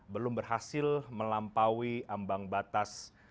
belum berhasil melampaui ambang batas